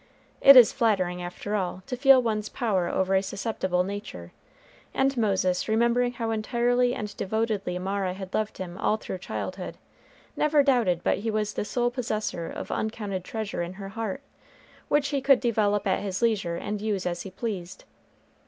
It is flattering, after all, to feel one's power over a susceptible nature; and Moses, remembering how entirely and devotedly Mara had loved him all through childhood, never doubted but he was the sole possessor of uncounted treasure in her heart, which he could develop at his leisure and use as he pleased.